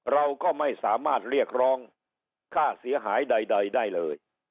เราก็ไม่สามารถเรียกร้องค่าเสียหายใดได้เลย